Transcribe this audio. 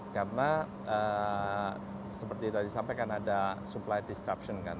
karena seperti tadi sampai kan ada supply disruption kan